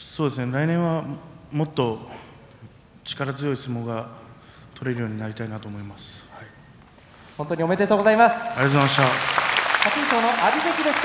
来年はもっと力強い相撲が取れるようになりたいなと思います。